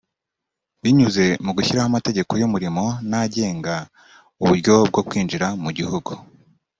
binyuze mu gushyiraho amategeko y’umurimo n’agenga uburyo bwo kwinjira mu gihugu